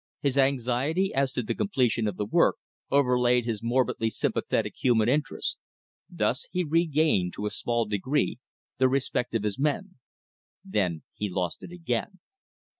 His anxiety as to the completion of the work overlaid his morbidly sympathetic human interest. Thus he regained to a small degree the respect of his men. Then he lost it again.